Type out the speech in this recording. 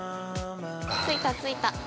◆着いた、着いた。